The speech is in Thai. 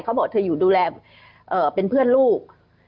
เขาบอกเธออยู่ดูแลเป็นเพื่อนลูก